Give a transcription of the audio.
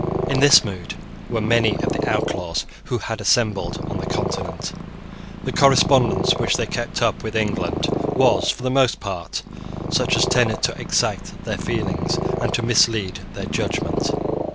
In this mood were many of the outlaws who had assembled on the Continent. The correspondence which they kept up with England was, for the most part, such as tended to excite their feelings and to mislead their judgment.